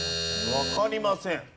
「わかりません」。